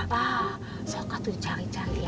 wah sokotu cari cari